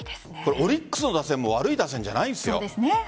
オリックスの打線も悪い打線じゃないですよ。